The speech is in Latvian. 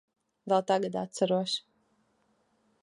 Vēl tagad atceros.